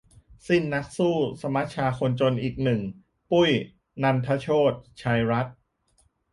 สิ้นนักสู้สมัชชาคนจนอีกหนึ่ง 'ปุ๋ย-นันทโชติ ชัยรัตน์'